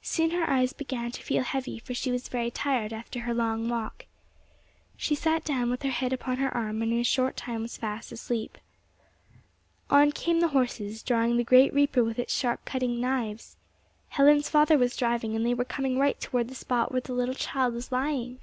Soon her eyes began to feel heavy, for she was very tired after her long walk. She sat down, with her head upon her arm, and in a short time was fast asleep. On came the horses, drawing the great reaper with its sharp cutting knives. Helen's father was driving, and they were coming right toward the spot where the little child was lying!